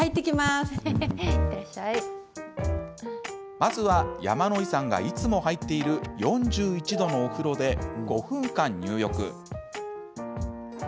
まずは、山野井さんがいつも入っている４１度のお風呂で５分間、入浴。